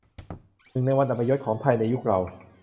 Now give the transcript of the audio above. หนึ่งในวันอัปยศของไทยในยุคเรา